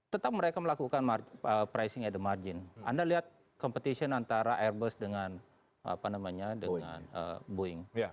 tetap mereka melakukan pricing at the margin anda lihat competition antara airbus dengan boeing